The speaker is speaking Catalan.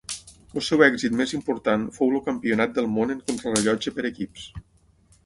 El seu èxit més important fou el Campionat del Món en contrarellotge per equips.